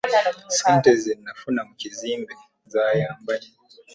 Ssente zena nafuna mu kizimbe zayamba nnyo.